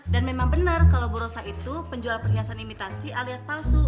dan memang benar kalau bu rosa itu penjual perhiasan imitasi alias palsu